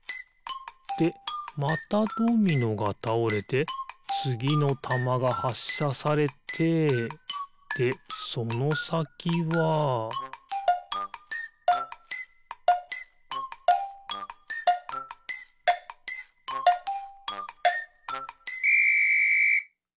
でまたドミノがたおれてつぎのたまがはっしゃされてでそのさきはピッ！